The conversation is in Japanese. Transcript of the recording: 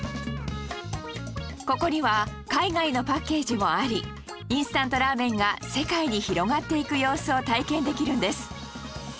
ここには海外のパッケージもありインスタントラーメンが世界に広がっていく様子を体験できるんです